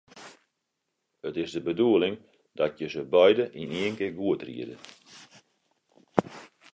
It is de bedoeling dat je se beide yn ien kear goed riede.